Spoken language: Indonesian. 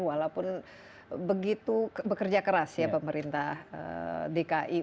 walaupun begitu bekerja keras ya pemerintah dki